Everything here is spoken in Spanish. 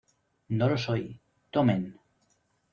No lo soy... ¡Tomen!